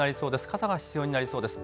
傘が必要になりそうです。